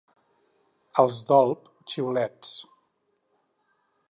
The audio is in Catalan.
Els d'Olp, xiulets.